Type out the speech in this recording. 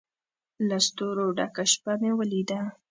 له ستورو ډکه شپه مې ولیده